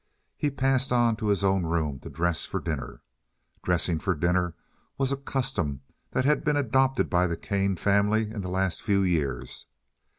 He passed on to his own room to dress for dinner. Dressing for dinner was a custom that had been adopted by the Kane family in the last few years.